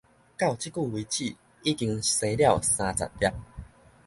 到這久為止已經生了三十粒